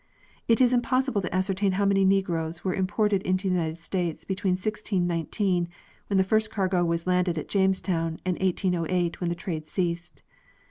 It is im possible to ascertain how many Negroes were imported into the United States between 1619, when the first cargo was landed at Jamestown, and 1808, when the trade ceased.